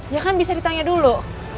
ya kan bisa ditanya dulu